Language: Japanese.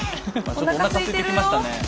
ちょっとおなかすいてきましたね。